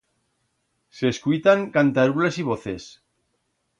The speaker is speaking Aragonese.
S'escuitan cantarulas y voces.